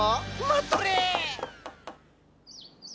待っとれ！